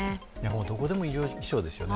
どこでも異常気象ですよね。